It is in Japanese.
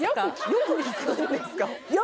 よく聞くんですか？